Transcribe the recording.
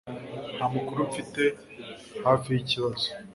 Nta makuru mfite hafi yikibazo